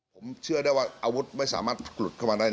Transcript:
ผมเชื่อได้ว่าอาวุธไม่สามารถกลุดเข้ามาได้